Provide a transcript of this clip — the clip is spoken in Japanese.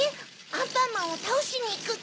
「アンパンマンをたおしにいく」って？